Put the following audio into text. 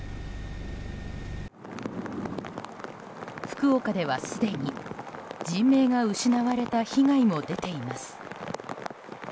福岡では、すでに人命が失われた被害も出ています。